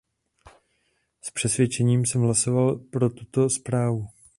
S přesvědčením jsem hlasoval pro tuto zprávu.